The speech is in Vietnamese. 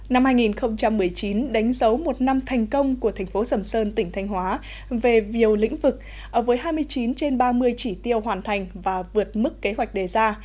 năm hai nghìn một mươi chín đánh dấu một năm thành công của thành phố sầm sơn tỉnh thanh hóa về nhiều lĩnh vực với hai mươi chín trên ba mươi chỉ tiêu hoàn thành và vượt mức kế hoạch đề ra